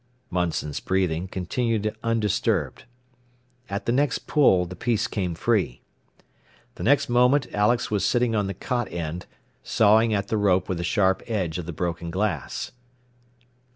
Munson's breathing continued undisturbed. At the next pull the piece came free. The next moment Alex was sitting on the cot end, sawing at the rope with the sharp edge of the broken glass.